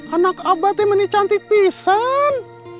anak abadnya menikanti pisan